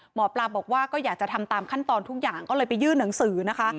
หมอปลาบอกว่าก็อยากจะทำตามขั้นตอนทุกอย่างก็เลยไปยื่นหนังสือนะคะ